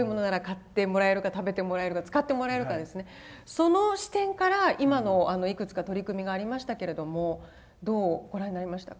その視点から今のあのいくつか取り組みがありましたけれどもどうご覧になりましたか。